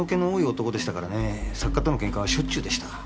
作家とのケンカはしょっちゅうでした。